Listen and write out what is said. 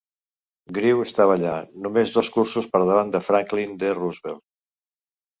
Grew estava allà només dos cursos per davant de Franklin D. Roosevelt.